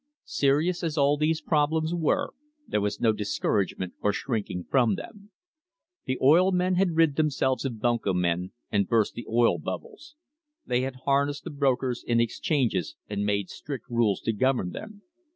Serious as all these problems were, there was no discourage ment or shrinking from them. The oil men had rid themselves of bunco men and burst the "oil bubbles." They had harnessed the brokers in exchanges and made strict rules to govern them.